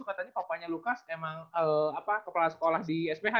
katanya papanya lukas memang kepala sekolah di sph ya